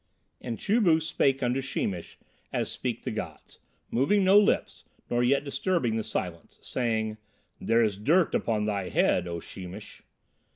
And Chu bu spake unto Sheemish as speak the gods, moving no lips nor yet disturbing the silence, saying, "There is dirt upon thy head, O Sheemish."